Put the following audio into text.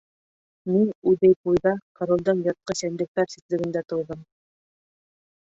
— Мин Удейпурҙа королдең йыртҡыс йәнлектәр ситлегендә тыуҙым.